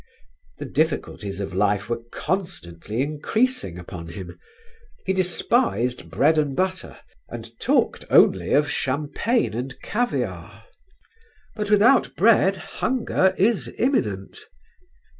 The difficulties of life were constantly increasing upon him. He despised bread and butter and talked only of champagne and caviare; but without bread, hunger is imminent.